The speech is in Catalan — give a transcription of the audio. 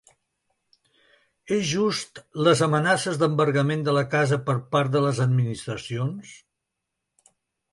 És just les amenaces d’embargament de la casa per part de les administracions?